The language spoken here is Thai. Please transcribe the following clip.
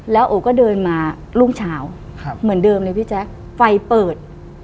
แล้วโอก็เดินมารุ่งเช้าเหมือนเดิมเลยพี่แจ๊คไฟเปิด